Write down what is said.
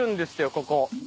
ここ。